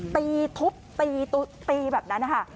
ตีทุบตีตีแบบนั้นนะคะ